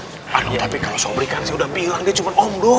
aduh tapi kalo sobri kan sih udah bilang dia cuman om doh